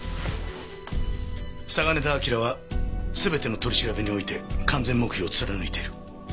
嵯峨根田輝は全ての取り調べにおいて完全黙秘を貫いている。